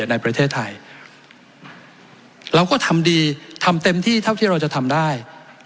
ในประเทศไทยเราก็ทำดีทำเต็มที่เท่าที่เราจะทำได้